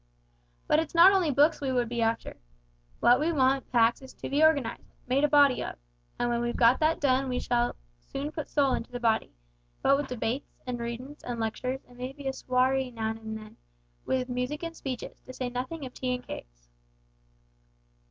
But it's not only books we would be after. What we want, Pax, is to be organised made a body of. When we've got that done we shall soon put soul into the body, what with debates, an' readings, an' lectures, an' maybe a soiree now and then, with music and speeches, to say nothing of tea an' cakes."